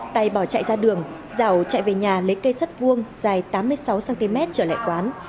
tài bỏ chạy ra đường dạo chạy về nhà lấy cây sắt vuông dài tám mươi sáu cm trở lại quán